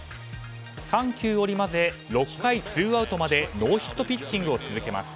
緩急織り交ぜ６回ツーアウトまでノーヒットピッチングを続けます。